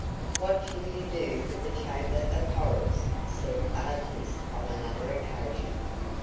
"What shall you do with the chamber of horrors?" said Artis, on another occasion.